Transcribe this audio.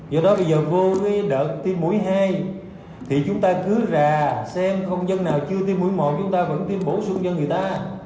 do đó bây giờ vô với đợt tiêm mũi hai thì chúng ta cứ rà xem công dân nào chưa tiêm mũi một chúng ta vẫn tiêm bổ sung cho người ta